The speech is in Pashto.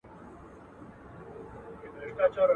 سره جمع وي په کور کي د خپلوانو.